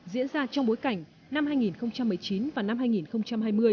diễn ra trong bối cảnh năm hai nghìn một mươi chín và năm hai nghìn hai mươi